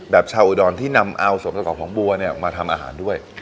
แบบชาวอุดรที่นำความสมศักดิ์ของบัวมาทำอาหารด้วย